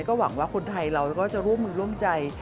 ก็หวังว่าคนไทยเราก็จะร่วมมือร่วมใจ